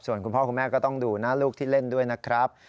ส่วนคุณพ่อคุณแม่ก็ต้องดูหน้าลูกที่เล่นด้วยนะครับ